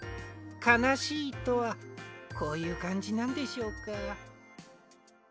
かなしいとはこういうかんじなんでしょうか。